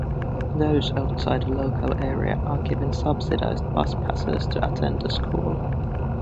Those outside the local area are given subsidized bus passes to attend the school.